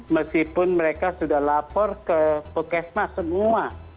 meskipun mereka sudah lapor ke puskesmas semua